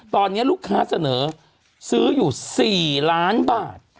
ตอนนี้ลูกค้าเสนอซื้ออยู่๔ล้านบาท